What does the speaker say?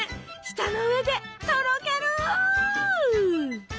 舌の上でとろける！